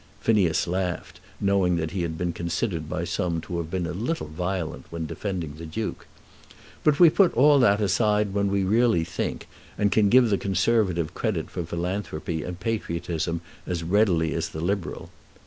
Phineas laughed, knowing that he had been considered by some to have been a little violent when defending the Duke. "But we put all that aside when we really think, and can give the Conservative credit for philanthropy and patriotism as readily as the Liberal.